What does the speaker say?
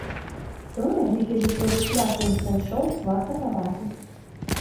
Тое, які жыццёвы шлях ён прайшоў, варта павагі.